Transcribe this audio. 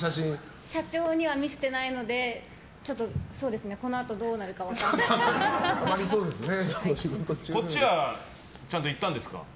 社長には見せてないのでこのあと、どうなるかこっちはちゃんと行ったんですか？